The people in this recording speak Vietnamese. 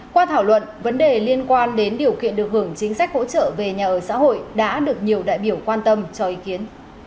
qua thảo luận vấn đề liên quan đến điều kiện được hưởng chính sách hỗ trợ về nhà ở xã hội đã được nhiều đại biểu quan tâm cho ý kiến